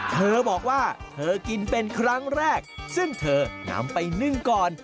เธอบอกว่าเธอกินเป็นครั้งแรกซึ่งเธอนำไปนึ่งก่อน